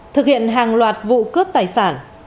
thực hiện hàng loạt vụ cướp tài sản